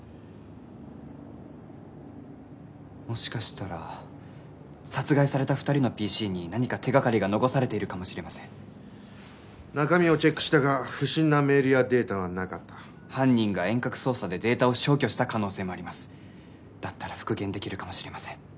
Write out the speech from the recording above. もしかしたら殺害された２人のＰＣに何か手がかりが残されているかもしれません中身をチェックしたが不審なメールやデータはなかった犯人が遠隔操作でデータを消去した可能性もありますだったら復元できるかもしれません